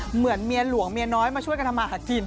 เหมือนเมียหลวงเมียน้อยมาช่วยกันทำมาหากิน